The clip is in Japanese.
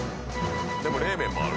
でも冷麺もある。